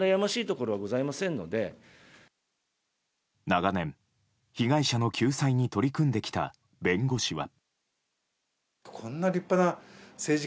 長年、被害者の救済に取り組んできた弁護士は。